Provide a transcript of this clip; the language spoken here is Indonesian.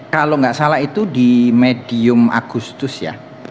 kalau nggak salah itu di medium agustus ya